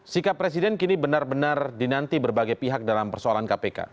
sikap presiden kini benar benar dinanti berbagai pihak dalam persoalan kpk